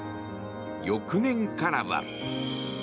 翌年からは。